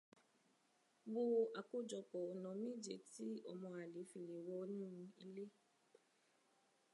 Wo àkójọpọ̀ ọ̀nà méje tí ọmọ àlè fi le wọnú ilé.